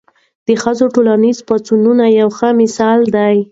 د ښځو ټولنیز پاڅونونه یو ښه مثال دی.